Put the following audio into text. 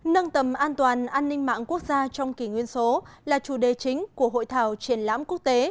nâng tầm an toàn an ninh mạng quốc gia trong kỷ nguyên số là chủ đề chính của hội thảo triển lãm quốc tế